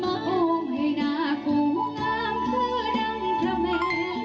โอ้ให้หนากูงามคือดังพระแมง